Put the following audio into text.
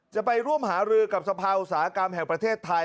จะไปร่วมหารือกับสภาอุตสาหกรรมแห่งประเทศไทย